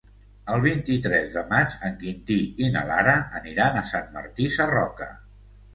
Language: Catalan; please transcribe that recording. El vint-i-tres de maig en Quintí i na Lara aniran a Sant Martí Sarroca.